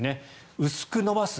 薄く伸ばす。